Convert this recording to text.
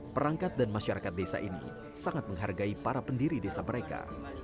perangkat dan masyarakat desa ini sangat menghargai para pendiri desa mereka